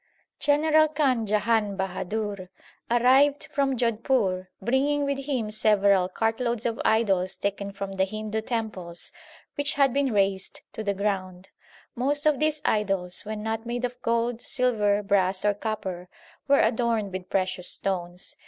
General Khan Jahan Bahadur arrived from Jodhpur bringing with him several cartloads of idols taken from the Hindu temples which had been razed to the ground. Most of these idols, when not made of gold, silver, brass, or copper, were adorned with precious stones.